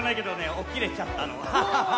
起きれちゃったのハハハ！